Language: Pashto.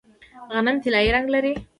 غنم طلایی رنګ لري.